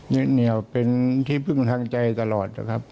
เหนียวเป็นที่พึ่งทางใจตลอดนะครับ